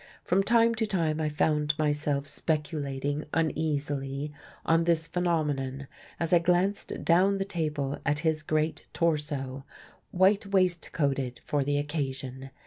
From time to time I found myself speculating uneasily on this phenomenon as I glanced down the table at his great torso, white waist coated for the occasion.